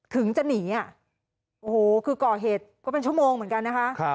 ถึงจะหนีอ่ะโอ้โหคือก่อเหตุก็เป็นชั่วโมงเหมือนกันนะคะ